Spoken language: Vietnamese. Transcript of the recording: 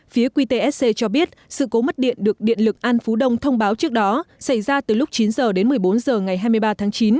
phía qtsc cho biết sự cố mất điện được điện lực an phú đông thông báo trước đó xảy ra từ lúc chín h đến một mươi bốn h ngày hai mươi ba tháng chín